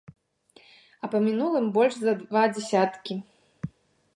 А па мінулым больш за два дзясяткі.